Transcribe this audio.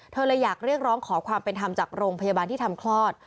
เธอเลยอยากเรียกร้องขอความเป็นธรรมจากโรงพยาบาลที่ทำคลอด